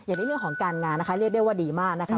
ในเรื่องของการงานนะคะเรียกได้ว่าดีมากนะคะ